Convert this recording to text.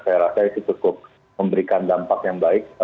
saya rasa itu cukup memberikan dampak yang baik